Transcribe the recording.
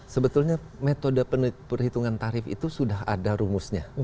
sebetulnya metode perhitungan tarif itu sudah ada rumusnya